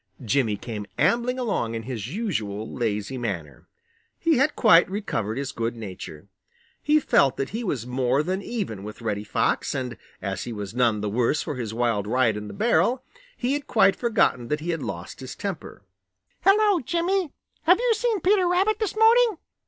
Jimmy came ambling along in his usual lazy manner. He had quite recovered his good nature. He felt that he was more than even with Reddy Fox, and as he was none the worse for his wild ride in the barrel, he had quite forgotten that he had lost his temper. "Hello, Jimmy. Have you seen Peter Rabbit this morning?"